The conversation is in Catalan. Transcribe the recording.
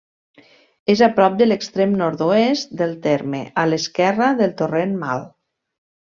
És a prop de l'extrem nord-oest del terme, a l'esquerra del torrent Mal.